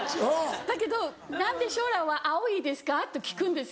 だけど「何で空は青いですか？」と聞くんですよ。